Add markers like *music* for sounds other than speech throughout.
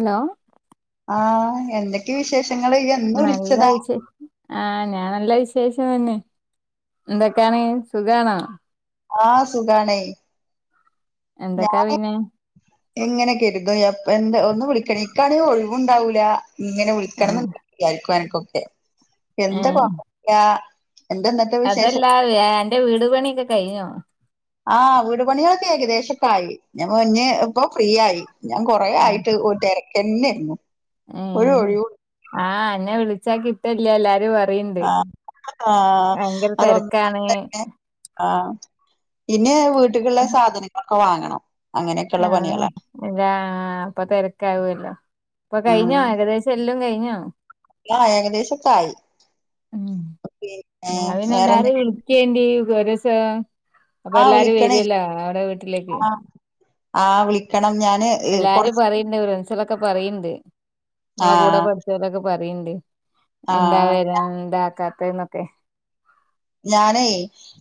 Hello ആ എന്തക്കെ വിശേഷങ്ങള് എന്നു നല്ല വിളിച്ചതാ വിശേഷം ആ ഞാൻ നല്ല വിസേഷം തന്നെ എന്തൊക്കെയാണേ സുഖാണോ ആഹ് സുഖാണേ എന്തൊക്കാ ഞാന് പിന്നെ എങ്ങനെയൊക്കെ എടു *unintelligible* യാ പ്പ എന്താ ഒന്നും വിളിക്കണേ എക്കാണ് ഒഴിവുണ്ടാവൂല ഇങ്ങനെ ആ, വിളിക്കണം വിചാരിക്കുവാ എൻക്കൊക്കെ എന്താ കൊ ഴാ അതല്ലാ വേ എന്റെ വീട് പണിയൊക്കെ കഴിഞ്ഞോ ആഹ് വീട് പണികളൊക്കെ ഏകദേശൊക്കായി ഞ പൊഞ്ഞ് ഇപ്പൊ ഫ്രീ ആയി ഞാൻ കൊറെ ആയിട്ട് ഒര് തെരക്കന്നെയിരുന്നു ഏ ആ എന്നെ വിളിച്ചാ കിട്ടൂല്ല എല്ലാരും പറ ആ ആ തിരക്കാണ് അതൊന്നന്നെ ആ പിന്നെ വീട്ടിലുള്ള സാധനങ്ങളൊക്കെ വാങ്ങണം അങ്ങനെയൊക്കെയുള്ള പണികളാ അല്ല അപ്പൊ തിരക്കാവല്ലോ ഇപ്പൊ കഴിഞ്ഞോ ഏകദേശം എല്ലാം കഴിഞ്ഞോ ആ ഏകദേശോക്കായി ഉം ഞാമ്പിലെല്ലാരേം വിളിക്കേണ്ടി ഒരു ആ അപ്പെല്ലാരും വിളിക്കണേ വരോല്ലോ അവിടെ വീട്ടിലേക്ക് ആ ആ വിളിക്കണം ഞാൻ ലാലി പറയീണ്ട് ഫൻസിലൊക്കെ പറീണ്ട് ആ നമ്മളെ കൂടെ പഠിച്ചവരൊ ക്കെ പറയീണ്ട് ആ എന്താ വരാ എന്താക്കാത്തേ ന്നൊക്കെ ഞാനേ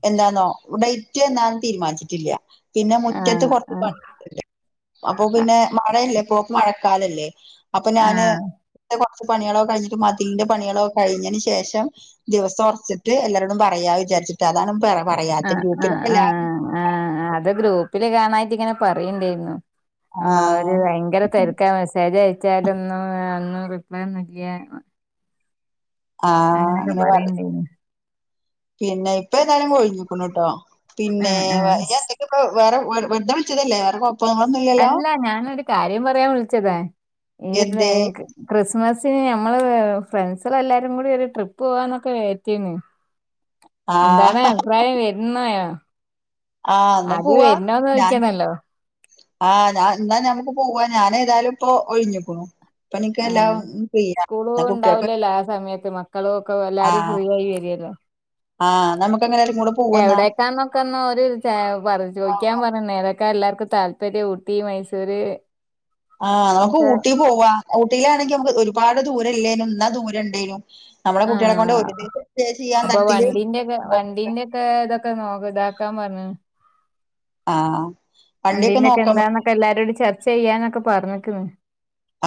എന്താന്നോ ഇവിടെ ഇറ്റിയ എന്നാൻ തീരുമാനിച്ചിട്ടില്ല പിന്നെ മുറ്റത്ത് ആഹ് കുറച്ച് പേ ആഹ് അപ്പൊ അ പിന്നെ മഴയല്ലേ പോ മഴക്കാലല്ലേ അപ്പം ഞാനേ ആഹ് പണികളോ കഴിഞ്ഞിട്ട് മദീന്റെ പണികളോ കഴിഞ്ഞതിനു ശേഷം ദിവസംഉറച്ചിട്ടേ എല്ലരോടും പറയാ വിച്ചിട്ടാ അതാണ് പെണ്ണ ആ ആ ആ ആ അത് ഗ്രൂപ്പില് ഗാനായിട്ട് ഇങ്ങനെ പറയി ണ്ടായിരുന്നു ആ ഒരു ഭയങ്കര തിരക്കാ മെസ്സേജയ ച്ചലൊന്നും ഒന്ന് റിപ്ലയ നക്കിയ ആ അങ്ങനെ പറേം പിന്നെ ഇപ്പം എന്തായാലും ഒഴിഞേക്കണൂട്ടോ പിന്നെ ആഹ് ആഹ് എന്തക്ക ഇപ്പ വേറെ വരും വെധേ വിളിച്ചതല്ലേ കൊഴപ്പങ്ങളൊന്നും ഇല്ലല്ലോ അല്ല ഞാനൊരു കാര്യം പറയാൻ വിളിച്ചതേ ഈ എന്തേ രെങ്ക ക്രിസ് ക്രിസ്മസിന് നമ്മള് ഫ്രണ്ട്സളെ എല്ലാരും കൂടി ഒരു ട്രിപ്പ് പോവാന്നൊക്കെ വിചാരിച്ചീന്നു എന്താണ് ആഹ് അഭിപ്രായം വരുന്നേയൊ ആ എന്നാ പൂവാം ഞാൻ ചോദിക്കണല്ലോ ആ ഞാൻ എന്നാ ഞമ്മുക്ക് പൂവാം ഞാനേതായാലും ഇപ്പൊ ഒയിഞ്ഞിപ്പൂ ഇപ്പൊ ആ നിക്കെല്ലാം ഫ്രീയാ സ്കൂളും ന്നാ കുട്ടികൾക്ക ഉണ്ടാവൂലല്ലോ ആ സമയത്ത് മക്കളും ഒക്കെ എല്ലാരും ഫ്രീ ആയി വരിയല്ലോ ആഹ് നമുക്ക് അങ്ങനെ എല്ലാരും കൂടെ പോവന്നാ എവിടേക്കാന്നൊക്കൊന്ന് ഒരു ച പറ ചോയിക്കാൻ പറഞ്ഞ നേര ക്ക എല്ലാർക്കും താല്പര്യം ഊട്ടി മൈസൂര് ആ നമുക്ക് ഒക്കെ ഊട്ടി പോവാ ഊട്ടീ ലാണെങ്കി മ്മുക്ക് ഒരുപാട് ദൂരം ഇല്ലേലും എന്നാ ദൂരം ഉണ്ടേലും നമ്മുടെ കുട്ടികളെ കൊണ്ട് ആഹ് ഒരു ദിവസേലും അപ്പൊ വണ്ടീന്റെയൊക്കെ വണ്ടീന്റൊക്കെ ഇതൊക്കെ നോക്കി താക്കാൻ പറഞ്ഞു ആ വണ്ടീന്റൊക്കെ എന്താന്നൊക്കെ എല്ലാരോടും ചർച്ച ചെയ്യാന്നൊക്കെ പറഞ്ഞിട്ടും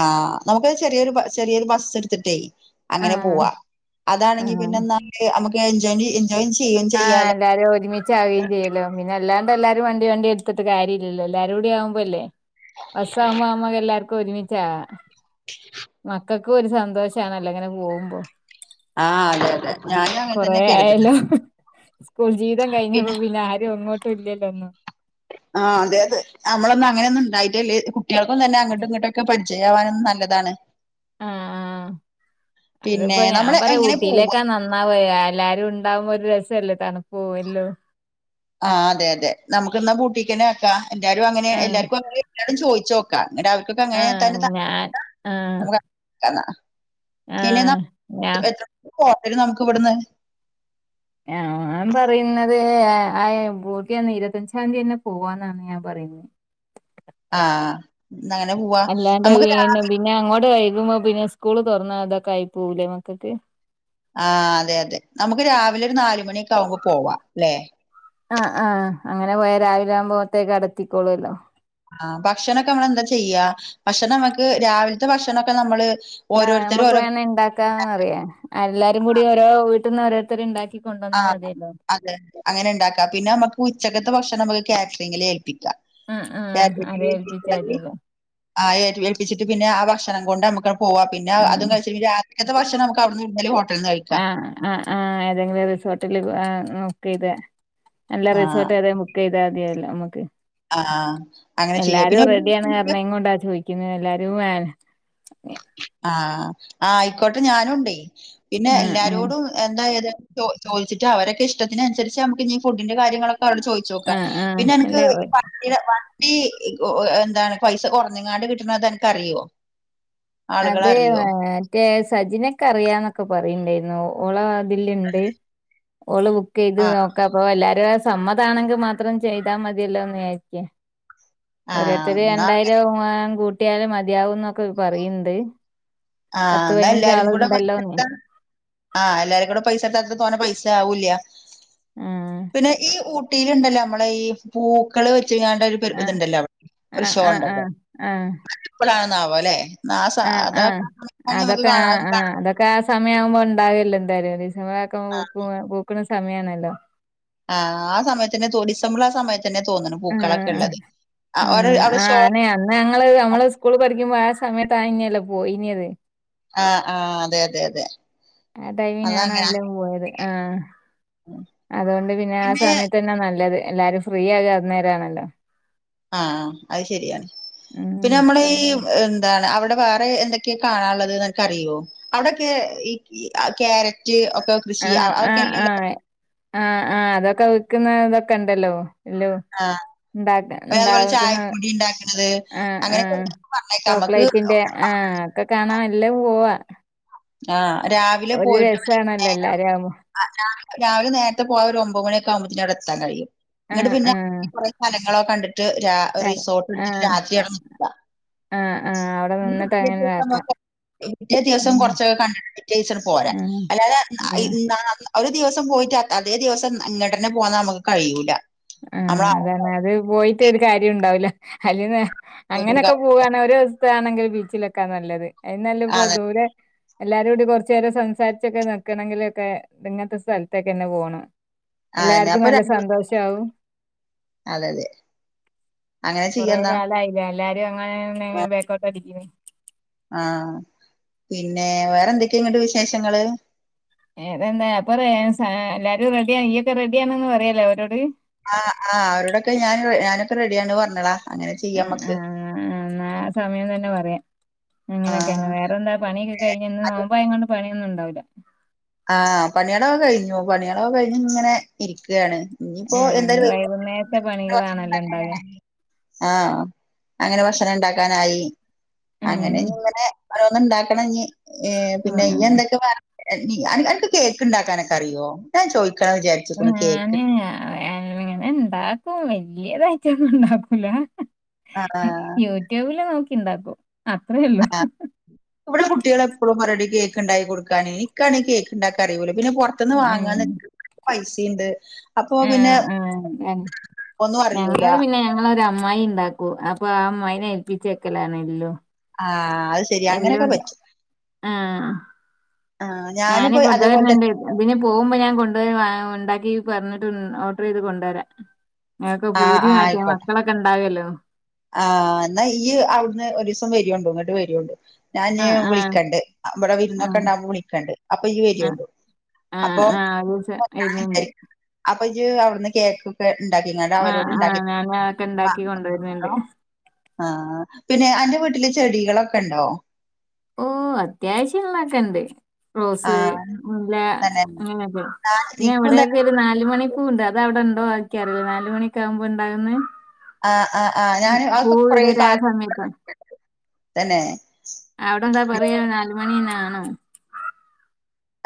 ആ നമുക്ക് ചെറിയൊരു ചെറിയൊരു ബസ്സ് എടുത്തിട്ടേ അങ്ങനെ ആഹ് പോവാം അതാണെങ്കി ആഹ് പിന്നെ നമുക്ക് എഞ്ചോണ്ടി ആഹഎല്ലാരും ഒരുമിച്ചാവുകേം ചെയ്യല്ലോ പിന്നെ അല്ലാണ്ട് എല്ലാരും വണ്ടി വണ്ടി എടുത്തിട്ടെ കാര്യല്ലല്ലോ എല്ലാരും കൂടി ആവുമ്പല്ലേ ബസ്സ ആവുമ്പം അമ്മ എല്ലർക്കും ക്കെ ഒരുമിച്ചാ മക്കക്കും ഒരു സന്തോഷാണല്ലോ അങ്ങനെ പോകവുമ്പം കു ആ അതെ അതെ ഞാനും അങ്ങനെ തന്നെ കേരുതിത് ആയല്ലോ സ്കൂൾ ജീവിതം കഴിഞ്ഞപ്പം പിന്നെ ആരും അങ്ങോട്ടും ഇല്ലല്ലോന്നും ആ അതെ അതെ നമ്മളൊന്നും അങ്ങനൊന്നും ഉണ്ടായിട്ടല്ലേ കുട്ടികളൊക്കെത്തന്നാ അങ്ങോട്ടും ഇങ്ങോട്ടൊക്കെ പഠിച്ചേ ഏവാനും നല്ലതാണ് ആ ആ പിന്നെ അതിപ്പോ ഞാൻ നമ്മള് പറയും എങ്ങനെ പോവ ഊട്ടിയിലേക്കാ നന്നാവേ എല്ലാരും ഉണ്ടാവുമ്പോ ഒരു രസല്ലേ തണുപ്പോ എല്ലോ ആ അതെ അതെ നമുക്ക് എന്നാ പൂട്ടീക്കന്നെ ആക്കാം എല്ലാരും അങ്ങനെ ആഹ് എല്ലാവർക്കും എല്ലാവരും ഞാൻ ചോദിച്ച് നോക്കാം അങ്ങനെ അവർക്കൊക്കെ അങ്ങനെ തന്നെത്താൻ ആ കന്ന ആഹ കൊഴ നമുക്ക് ഇവിടുന്ന് ൻ പറയുന്നത് ആ ഊട്ടിന്ന് ഇരുപത്തഞ്ചാം ീയതി തന്നെ പോവാന്നാണ് ഞാൻ പറയുന്നത് ഉഹ ആഹ അല്ലാണ്ട് പിന്നെ പിന്നെ അങ്ങോട്ട് വ പിന്നെ സ്കൂള് തുറന്നാ അതൊക്കെ ആയി പോലേ മക്കൊക്ക് ആ അതെ അതെ നമുക്ക് രാവിലെ ഒരു നാല മണിൊക്ക ആ്പക്ക് പോവാ അല്ലെ ആ് ആഹ അങ്ങനെ പോയ രാവിലെ ആവുമ്പോത്തേക്ക് അടത്തിക്കോളൂല്ലോ ആഹ ഭക്ഷണൊക്കെ നമ്മള് എന്താ ചെയ്യാ ഭക്ഷണം നമ്മുക്ക് രാവിലത്തെ ഭക്ഷണൊക്കെ നമ്മള് ആഹ് ഓരോരുത്തരും നമുക്ക് ഓരോ വേണ ഇണ്ടാക്കാന്ന് അറിയ എല്ലാരും കൂടി ഓരോ വീട്ടിൽന്ന് ഓരോത്തർ ഇണ്ടാക്കി ആ കൊണ്ടുവന്നാ മതിയല്ലോ അതെതെ അങ്ങനെ ഉണ്ടാക്കാം പിന്നെ നമുക്ക് ഉച്ചകത്തെ ഭക്ഷണം നമുക്ക് കാറ്ററിങ്ങില് ഏൽപ്പിക്കാം ആഹ് ആഹ് ആരെ ഏൽപ്പിച്ചാ കേച്ച മതിയല്ലോ ആ ഏ ഏൽപ്പിച്ചിട്ട് പിന്നെ ആ ഭക്ഷണം കൊണ്ട് പോവാം പിന്ന അും ഉം കഴിച്ച രാത്ത്തെശക്ഷെ നമു അവിടുന്ന്ള്ള ആഹ ആ ആഹ ഏതെങ്കിലും റിസോർട്ടില് ആ നോക്ക ഇത് എല്ലാ ആഹ് റിസോർട്ട് ഏത ബുക്ക് ചെയ്താൽ മതില്ല നമുക്ക് ആഹ് അങ്ങനെ ചെയ്യാം എല്ലാരും പിന്നെ ഒരു റെഡിയ ദിവസം ആാണ് നമുക്ക് കാരണം എങ്ങ കൊണ്ടാ ചോദിക്കുന്നത് എല്ലാരും ആഹ ആ ആയിക്കോട്ടെ ഞാനുണ്ടേ പിന്നെ ആഹ് ആഹ് എല്ലാരോടും എന്താായത് ചോദിച്ചി് അവരൊക്കെ ഇഷത്തിനുസരിച്ച് നമുക്ക്ീ ഫുഡിന്റെ കാര്യങ്ങളൊക്കെ അവിടെ ചോദിച്ചു നോക്ക ആഹ് ആഹ് പിന്നെ അല്ല എനിക്ക് ഈ എന്താണ് പൈസ കുറഞ്ഞങ്ങാണ്ട് കിട്ടണത എനക്ക്റിയോ അത് മറ്റേ സജിനൊക്കെ അറിയാന്നൊക്കെ പറയണ്ടായിരുന്നു ഓള ഓള് ബുക്ക് ചെയ്ത് ആഹ് നോക്ക എല്ലും സമ്മതാണെങ്കിൽ മാത്രം ചെയ്താ മതിയല്ലോന്ന് വിചാരിക്ക ആഹ് ഒരോത്തരു എന്നാ രണ്ടായിരം കൂട്ടിയാലും മതിയാവും എന്നൊക്കെ പറയണ്ട് ആഹ എന്നാ എല്ലാരും കൂടെ പ ആഹ് എല്ലാരും കൂ പൈസ എടുത്താ തോന്നെ പൈസ ആവൂില്ല ആഹ് പിന്നെ ഈ ഊട്ടിയിലുണ്ടല്ലോ നമ്മള ഈ പൂക്കള് ങ്ങാണ്ട ഒരു ഇത്ണ്ടല്ലോ അവിടെ ഒരു ആഹ് ഷോ ആഹ് ഉണ്ടല്ലോഴ ആഹ് ആഹ് ാവോ അല്ലെ ന ആഹ് അത ആഹ് ആഹ് *inaudible* അതൊക്കെ ആ ആ അതൊക്കെ ആ സമയം ആവുമ്പോ ഉണ്ടാവില്ല എന്തായാലും ക്കക്ക പൂക്കണ സമയണല്ലോ ആഹ ആ സമയത്തിന്നെ തൊടിസമ്പൾ ആ സമയത്ത് അങ്ങനെ പൂക്കളൊക്കെ ഉള്ളത് ഓരോ ഉം അവിടെ ആ ഷോ ആന അന്ന് ഞങ്ങള് നമ്മള് സ്കൂള് പഠിക്കുമ്പോ ആ സമയത്ത്ാ ല്ല പോയിനിയത് ആഹ് ആഹ് അതെ അതെ അതെ ആഹ് ടൈമിനാന്നാ അതങ്ങനെ എല്ലും പോയത് ആഹ് അതോണ്ട് പിന്നെ ആഹ് സമയത്തന്നെ നല്ലത് എല്ലാരും ഫ്രീയാകാ അന്നേരാണല്ലോ ആഹ് അഹ് ശരിയാണ് ഉം പിന്നെ നമ്മളീ ഏഹ് താണ് അവിടെ വേറെ എന്തെക്കേ കാണാള്ളത് അന്ക്കറിയോ അവിടൊക്കേ ഈ കീ ആഹ് ക്യാരറ്റ് ഒ ക്ക കൃഷി ആഹ് അവ ആഹ് അവക്കല്ലെല്ലോ ആഹ് ആഹ് ആഹ് അതൊക്ക വിക്ക്ന്നാ ഇതൊക്കണ്ടല്ലോ ആഹ് പിന്നെ അത്പോലെ ഉണ്ടാക്കുന്ന ചായപ്പൊടി ഇണ്ടാക്ക്ണത് ആഹ് അങ്ങനെക്കേ ആഹ് ഇണ്ടാക്കും പറ്ഞ്ഞേക്കാ അമ്മക്ക് ചോക്ലേറ്റിന്റെ *unintelligible* ആഹ് ഒക്കെ കാണാ എല്ലേം പോവാ ആഹ് രാവിലെ ഒരു പോയിട്ട് രസാണല്ലോ വൈകുന്നേരം എല്ലാരും ആവുമ്പോ ആഹ് രാവി രാവില നേരത്തെ പോവാ ഒരു ഒമ്പഹ് മണിയൊക്കാവുമ്പത്തിന് അവടെ എത്താ കഴിയും ഇന്ന്ട്ട് ആഹ് പിന്നെ ആഹ് ഈ കൊറേ സ്ഥലങ്ങളോ കണ്ടിട്ട് രാ ഒര് ആഹ് റിസോർട്ടെട്ത്തിട്ട് ആഹ് രാത്രി അവടെ നിക്കാ ആഹ് ആഹ് അവിടെ നിന്നിട്ട് അങ്ങനെ ഇതാക്കാം *unintelligible* ഏഹ് പിറ്റേ ദിവസം ഉം കൊറ ച്ചൊ കണ്ട്ട്ട് പിറ്റേസട് പോരാ ഉം അല്ലാത ഉം അയ് ആഹ് ഉം ന്താ ആക്കി ഒര് ദിവസം പോയിട്ട് അത് അതേ ദിവസം ഇങ്ങട്ടന്നെ പോന്നാ അമ്മക്ക് കഴിയൂല ആഹ് നമ്മള അതാണ് അത് പോയിട്ടൊര് കാര്യൊണ്ടാവുല അല്ലേന്നാ അങ്ങനെക്കെ പോവാന്നാ ഒരോസ്ത്തതാണെങ്കി ബീച്ചിലൊക്കാ നല്ലത് അയിനും നല്ലേപ്പൊ അതെ ദൂരെ എല്ലാരൂടി കൊറ്ച്ചേരം സംസാരിച്ചൊക്കെ നിക്കണങ്കിലൊക്കെ ത്ങ്ങത്തെ സ്ഥലത്തേക്കെന്നേ പോണം എല്ലാര്ക്കും നല്ല സന്തോഷാവും അതെതെ അങ്ങനെ ചെയ്യാം കൊറേ എന്താ കാലായില്ലേ എല്ലാരും അങ്ങനെ ബേക്കോട്ട് അടിക്കുന്നു ആ പിന്നെ വേറെ എന്തൊക്കെയ ഇങ്ങോട്ട് വിശേഷങ്ങള് വേറെന്താ അപ്പൊ റേ സാ എല്ലാരും റെഡിയായി ഈയൊക്കെ റെഡിയാന്നങ്ങ് പറയല്ലോ അവരോട് ആ ഹ് ആഹ് അവോരോടൊക്കെ ഞാൻ ഞാനൊക്കെ റെഡിയാന്ന് പറഞ്ഞോളാ ആ ഹ് ആഹ് ആഹ് എന്നാ സമയം തന്നെ പറയാം ആഹ് അങ്ങനെയൊക്കെയാണ് വേറെന്താ പണിയൊക്കെ കഴിഞ്ഞ് ഇന്ന് നോമ്പായ കൊണ്ട് പണിയൊന്നും ഉണ്ടാവില്ല ആ പണികളോ കഴിഞ്ഞു പണികളയൊ കഴിഞ്ഞു ഇങ്ങനെ ഇരിക്കുകയാണ് ഇനിയിപ്പോ ആഹ് ഇനി എന്തായാലും വൈകുന്നേരത്തെ വ പണികളാണല്ലോ ഇണ്ടാവ *inaudible* ആഹ് അങ്ങനെ ഭക്ഷ ക്ഷണം ഉണ്ടാക്കാനായി അങ്ങനെ ഇങ്ങനെ ഓരോന്ന് ഇണ്ടാക്കണം ഇഞ്ഞി- ഏ പിന്നെ ഇയ്യ ആഹ് എന്തൊക്കെ വേണം അന അനക്ക് കേക്ക് ഉണ്ടാക്കാനൊക്കെ അറിയോ ഞാൻ ചോയി ഞാന് അങ്ങനെ ഇണ്ടാ- ഓ വല്യതായിട്ടോന്നും ഉണ്ടാക്കൂല ആഹ് യൂട്യൂബില് നോക്കി ഇണ്ടാക്കും അത്രേ ഉള്ളൂ ആ ഹ് ഇവിടെ കുട്ടികള് എപ്പോഴും പറയും ടി കേക്ക് ക്ക് ഉണ്ടായി കൊടുക്കാന് എനിക്കാണേ കേക്ക് ഉണ്ടാക്ക അറിയൂല പിന്നെ പൊറത്തുനിന്ന് വാങ്ങാൻ പൈസേണ്ട്- ഉം ഉം ഒന്നും അറിയൂല ഞങ്ങള് പിന്നെ ഞങ്ങളോരമ്മ- മൈ *unintelligible* ഉണ്ടാക്കൂ അപ്പൊ ആ മൈനെ ഏൽപ്പിച്ചേക്കലാണല്ലോ ആഹ് അത് ശെരിയാ അങ്ങനെയൊക്കെ പറ്റും ആഹ് ആഹ് ഞാന് ഞാനിപ്പോ ഇവിടെ അതേപോലെ വരുന്നുണ്ട് തന്നെ ഇവന് പോകുമ്പോ ഞാൻ കൊണ്ട്- വാ ഉണ്ടാക്കി പറഞ്ഞിട്ട് ഓർഡർ ചെയ്ത് കൊണ്ടുവരാൻ ക്കെ *unintelligible* ആഹ് ഭൂതി ആഹ് മാറ്റിയ ആയിക്കോട്ടെ മക്കളൊക്കെ ഉണ്ടാവല്ലോ ഇപ്പം വരിയുണ്ടോ ഇങ്ങട്ട് വരിയുണ്ടോ ഞാന് ആഹ് ആഹ് വിളിക്കണ്ട് അ ഇവിടെ വിരുന്നൊക്കെ ആഹ് ഉണ്ടാവുമ്പോ വിളിക്കണ്ട് അപ്പൊ ഈയ്യ് ആഹ് വരിയണ്ടു ആഹ് അപ്പൊ ആഹ് ഒരു ദിവസം വരുന്നുണ്ട് *unintelligible* അപ്പൊ ഇജ്ജ് അവിടുന്ന് കേക്കൊക്കെ ഉണ്ടാക്കിങ്ങാണ്ട് ആഹ് ആഹ് അവരോട്ണ്ടാക്കി ഞാൻ അതൊക്കെ ഉണ്ടാക്കി *unintelligible* ഹലോ കൊണ്ടുവരുന്നുണ്ട് ആഹ് പിന്നെ അന്റെ വീട്ടില് ചെടികളൊക്കെ ഒണ്ടോ? ഓഹ് അത്യാവശ്യം ഒള്ളെയൊക്കെണ്ട്. റോസ് ആഹ് മുല്ല തന്നെ അങ്ങനെയൊക്കെ ആഹ് പിന്നെ എനിക്കും തന്നെ എവിടെക്കെ ഒരു നാല് മണി പൂണ്ട് അത് അവിടെ ഉണ്ടോ എക്കിയാറില്ല നാല് മണിക്കെ ആകുമ്പോ ഉണ്ടാവുന്നേ ആഹ് ആഹ് ആഹ് ഞാന് പൂ അതൊക്കെ കൊറേ വിടര ആ കാലം സമയത്തയിരുന്നു തന്നെ അവിടെ എന്താ പറയാ നാല്മണീന്നാണോ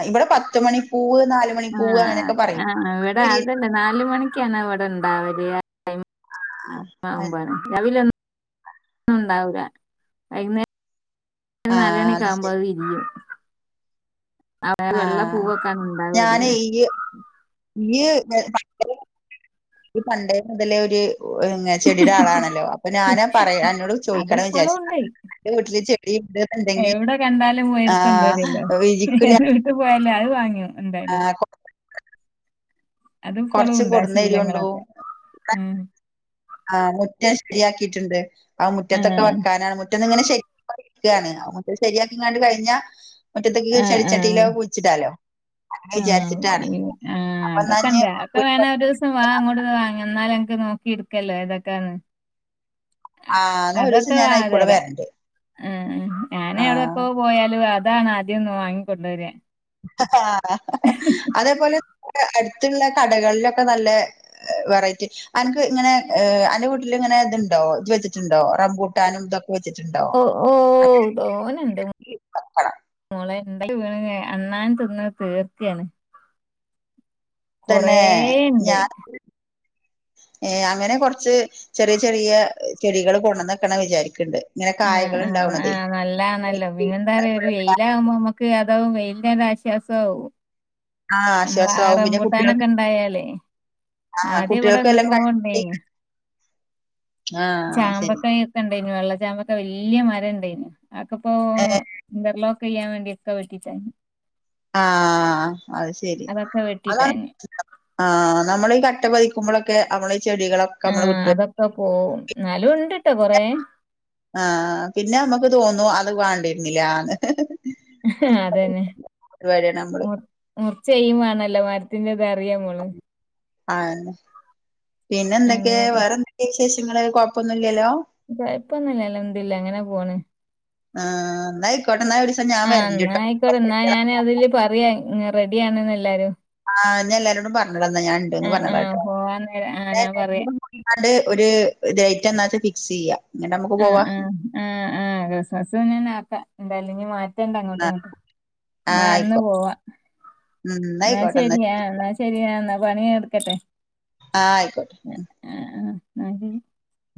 ഇവിടെ പത്ത് മണിപ്പൂവ് ആ നാലുമണിപ്പൂവ് അങ്ങനെയൊക്കെ ആ പറയും ഇവിടെ അതല്ല നാല് മണിക്കാണ് ഇവിടെ ഇണ്ടാവല് ആ ആഹ് രാവിലെ ണ്ടാവുക വൈകുന്നേ ആഹ് നാല്മണിക്ക ആകുമ്പോ ശരി അത് വിരിയും അത് ആ വെള്ള പൂവൊക്കാണ് ഇണ്ടാവ ഞാന് അധികം ഈയ്യ് ഈ സൺഡേ ഈ സൺഡേ മുതലോര് ഒരു ചെടിയുടെ ആളാണല്ലോ അപ്പൊ ഞാന് പറയാ അന്നോട് ചോയിക്കണം അതിപ്പളും വിചാരിച്ച് ഉണ്ട് എന്റെ വീട്ടില് ചെടി എവിടെ കണ്ടാലും പോയി എടുത്തോണ്ട് വരുല്ലോ ആഹ് വിരിക്കൂല *unintelligible* അത് വാങ്ങു എന്തായാലും ആഹ് അത് ഇപ്പളും കൊറച്ച് ഉണ്ട് ആ കൊടുന്നരിയുണ്ടോ ശീലങ്ങളൊക്കെ ഉം ആമുറ്റം ശരിയാക്കിയിട്ടുണ്ട് ആ മുറ്റത്തൊക്കെ ആഹ് വെക്കാനാണ് മുറ്റ എന്ന ഇങ്ങനെ ശരി ക്കാണ് മുറ്റം ശരിയാക്കി കണ്ട് കഴിഞ്ഞൽ മുറ്റത്തക്ക് ചെടിച്ചട്ടിയിലോ കുടിച്ചിട്ടാലോ ആ ആ എന്നാ അതൊക്കെ ഇഞ്ഞ് ഇണ്ട ഒക്കെ വേണ ഒരു ദിവസം വാ അങ്ങോട്ട വാങ്ങ എന്നാല നോക്കി എടുക്കല്ലോ ഇതൊക്കെയാണ് ആഹ് എന്നാ ഒരു ദിവസം അതൊക്കെ ഞാൻ അയിക്കൂടെ വാതരാ വരണ്ട് ഞാന ആഹ് എവിടെപ്പോ പോയാലും അ അതാണ് ആദ്യന്ന് വാങ്ങിക്കൊണ്ട രാ ആ ആ ആ ആ അതേപോലെ അടുത്തുള്ള കടകളിലൊക്കെ നല്ല വെറൈറ്റി അനക്ക് ഇങ്ങനെ അന്റെ വീട്ടിൽ ഇങ്ങനെ ഇതുണ്ടോ ഇച്ച് വെച്ചിട്ടുണ്ടോ റംബിട്ടാനും ഇതൊ വെച്ചിട്ടുണ്ടോ ഓ ഓ ന്നാലു വീണ അണ്ണാനൻ തിന്ന് തീർക്കയാണ് തന്നെ ഞാൻ ഏ അങ്ങനെ കൊറച്ച് ചെറിയ ചെറിയ ചെടികൾ കൊണന്നൊക്കണം വിചാരിക്ക്ൻ ണ്ട് ആ ആ ആ നല്ലണല്ലോ പിന്നെ എന്താ പറയാ ഒരു വെയില ആകുമ്പോ നമ്മക്ക് തവും വെയിനൊരു ആശ്വാസംവും ആ നമ്മള ആശ്വാസമാവും പിന്നെ കുട്ടികൾ ആറമ്പൂട്ടാനൊക്കെ ഇണ്ടായാല് ആ ആദ്യ ഇവിടെ കുട്ടികൾക്ക് എല്ലാം എന്തക്കെ കഴി ഇണ്ടയിന് ആ ശരി വെള്ളച്ചാമ്പക്ക വലിയ മരം ഇണ്ടായിന് ആക്കെപ്പോ ഏ ഇന്റർ ലോക് ക്ക് ചെയ്യാൻ വേണ്ടി ഒക്കെ വെട്ടി കയ്യിന്നു ആഹ് അത് ശെരി അതൊക്കെ അതാണ് വെട്ടിട്ടാഞ്ഞ് ആ നമ്മളീ കട്ടപ്പതി ക്കുമ്പളൊക്കെ നമ്മള് ആ അതൊക്കെ പോവും എന്നാലും ഇണ്ട്ട്ടോ കൊറേ ആ പിന്നെ നമ്മുക്ക് തോന്നും അത് വണ്ടിരുന്നില്ലാന്ന് ഹ അതന്നെ നമ്മള് മുർച്ചെയ്യു വേണല്ലോ മരത്തിന്റെത ആന്നെ പിന്നെ എന്തൊക്കെ അങ്ങനെയൊക്കെ വേറെന്തൊക്ക വിശേഷങ്ങൾ കുഴപ്പൊന്നുല്ലല്ലോ കൊഴപ്പൊന്നുല്ല അൽഹംദുലില്ലാഹ് എങ്ങനെ പോണ് ആഹ് എന്നായിക്കോട്ടെ എന്നാ ഒരീസം ഞാൻ ആ എന്നാ വരണ്ട്ട്ടോ ആയിക്കോട്ട എന്നാ ഞാൻ അതില് പറയാ റെഡിയ ആണെന്ന്ല്ലാരും ആ ഇന്നി എല്ലാരോടും പറഞ്ഞള എന്നാൽ ഞാൻ ണ്ട് ആഹ് ആഹ് പറഞ്ഞളട്ടോ പോവാൻ നേരം ആഹ് അല്ല ഞാൻ പറയാ എല്ലാരുംകൂടി കണ്ട് ഒരു ലൈറ്റ് എന്നാച്ച ഫിക്സെയ്യ ന്നട്ട് നമ്മക്ക് പോവാ ആ ക്രിസ്മസ്ക്കാം എന്തായാലും മാറ്റ റ്റണ്ട അങ്ങോട്ടും ഇങ്ങോട്ട് ആഹ് അന്ന് ആയിക്കോട്ടെ പോവാ ഉം എന്നാ എന്നായിക്കോട്ടെ ശരിയ ശരി എന്നാ ശരിയാ എന്നാ പണി എടുക്കട്ടെ ആ ആയിക്കോട്ടെ ആ *unintelligible*